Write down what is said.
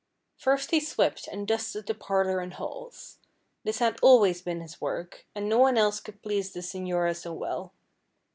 First he swept and dusted the parlor and halls. This had always been his work, and no one else could please the señora so well.